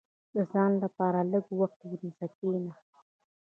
• د ځان لپاره لږ وخت ونیسه، کښېنه.